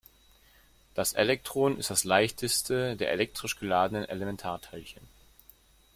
Das Elektron ist das leichteste der elektrisch geladenen Elementarteilchen.